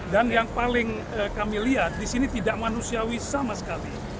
dan yang paling kami lihat disini tidak manusiawi sama sekali